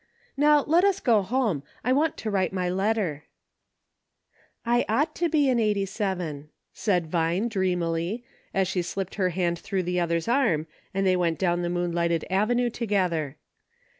Now let us go home ; I want to write my letter," " I ought to be an 'Sy, " said Vine dreamily, as she slipped her hand through the other's arm, and they went down the moon lighted avenue to gether.